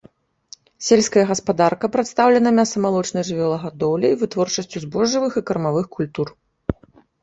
Сельская гаспадарка прадстаўлена мяса-малочнай жывёлагадоўляй, вытворчасцю збожжавых і кармавых культур.